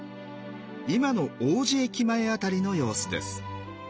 今の王子駅前辺りの様子です。